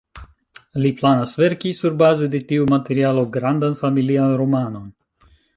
Li planas verki surbaze de tiu materialo grandan familian romanon.